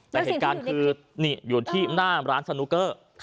แต่เหตุการณ์คือนี่อยู่ที่หน้าร้านสนุกเกอร์